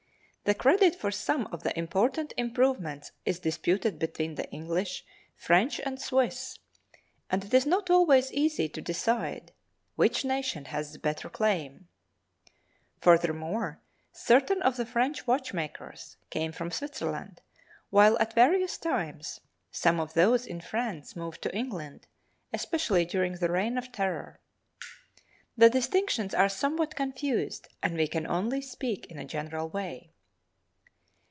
The credit for some of the important improvements is disputed between the English, French and Swiss, and it is not always easy to decide which nation has the better claim. Furthermore, certain of the French watchmakers came from Switzerland while at various times, some of those in France moved to England, especially during the reign of Terror. The distinctions are somewhat confused and we can only speak in a general way.